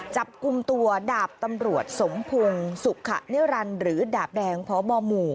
จับกลุ่มตัวดาบตำรวจสมพงศ์สุขะนิรันดิ์หรือดาบแดงพบหมู่